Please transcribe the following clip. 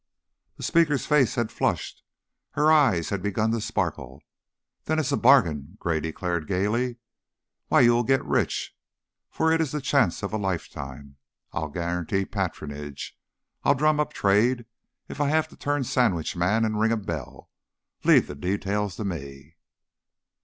The speaker's face had flushed, her eyes had begun to sparkle. "Then it's a bargain," Gray declared, gayly. "Why, you'll get rich, for it is the chance of a lifetime. I'll guarantee patronage; I'll drum up trade if I have to turn sandwich man and ring a bell. Leave the details to me."